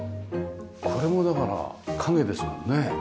これもだから影ですもんね？